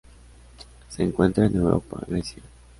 Se encuentra en Europa: Grecia.